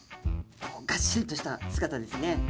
こうがっしりとした姿ですね。